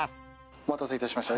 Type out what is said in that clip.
お待たせいたしました。